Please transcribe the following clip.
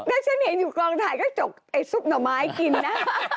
แล้วฉันเห็นอยู่กลางถ่ายก็จกสุขหน่อไม้กินน่ะ